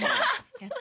やった。